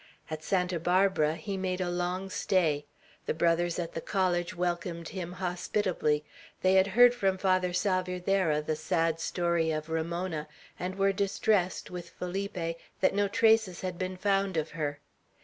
At Santa Barbara he made a long stay. The Brothers at the College welcomed him hospitably. They had heard from Father Salvierderra the sad story of Ramona, and were distressed, with Felipe, that no traces had been found of her.